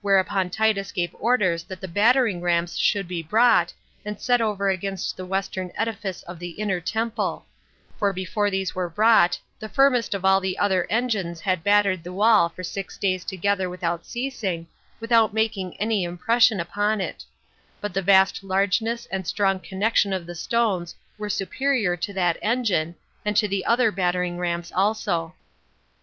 Whereupon Titus gave orders that the battering rams should be brought, and set over against the western edifice of the inner temple; for before these were brought, the firmest of all the other engines had battered the wall for six days together without ceasing, without making any impression upon it; but the vast largeness and strong connexion of the stones were superior to that engine, and to the other battering rams also.